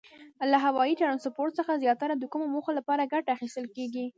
له هوایي ترانسپورت څخه زیاتره د کومو موخو لپاره ګټه اخیستل کیږي؟